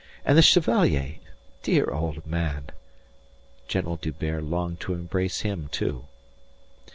And the Chevalier! Dear old man!" General D'Hubert longed to embrace him, too.